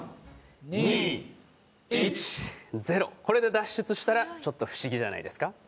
これで脱出したらちょっと不思議じゃないですか。